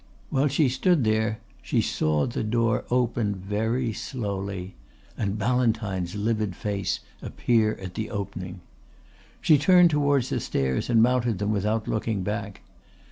While she stood there she saw the door open very slowly and Ballantyne's livid face appear at the opening. She turned towards the stairs and mounted them without looking back.